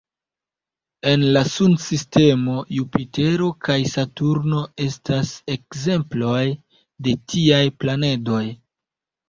En la Sunsistemo, Jupitero kaj Saturno estas ekzemploj de tiaj planedoj.